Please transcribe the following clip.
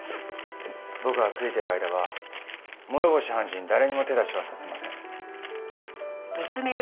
僕がついてる間は諸星判事に誰にも手出しはさせません。